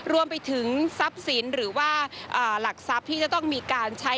รวมไปถึงทรัพย์สินหรือว่าหลักทรัพย์ที่จะต้องมีการใช้